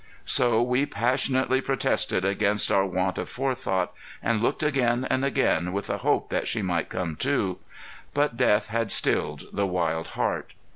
So we passionately protested against our want of fore thought, and looked again and again with the hope that she might come to. But death had stilled the wild heart.